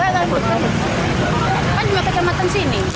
kan cuma kecamatan sini